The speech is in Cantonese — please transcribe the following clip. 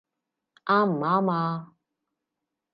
啱唔啱呀？